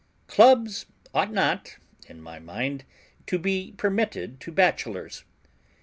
Clubs ought not, in my mind, to be permitted to bachelors.